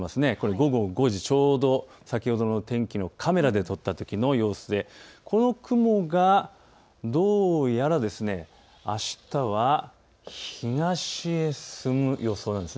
午後５時ちょうど、先ほどの天気のカメラで撮ったときの様子でこの雲がどうやら雲は東へ進む予想なんです。